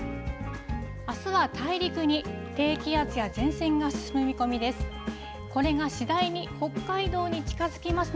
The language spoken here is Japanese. あすは大陸に低気圧や前線が進む見込みです。